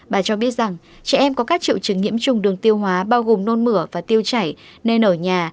bà cho biết rằng trẻ em có các triệu chứng nhiễm trùng đường tiêu hóa bao gồm nôn mửa và tiêu chảy nên ở nhà